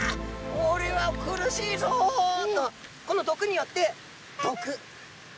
おれは苦しいぞ！」とこの毒によってどく。